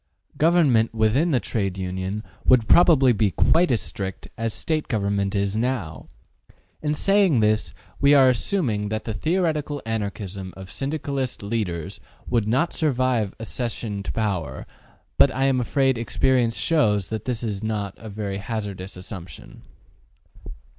Government within the Trade Union would probably be quite as strict as State government is now. In saying this we are assuming that the theoretical Anarchism of Syndicalist leaders would not survive accession to power, but I am afraid experience shows that this is not a very hazardous assumption.